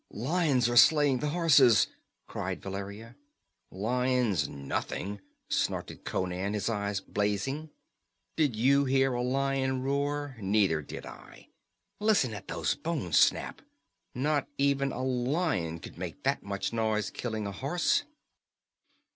"Lions are slaying the horses!" cried Valeria. "Lions, nothing!" snorted Conan, his eyes blazing. "Did you hear a lion roar? Neither did I! Listen at those bones snap not even a lion could make that much noise killing a horse."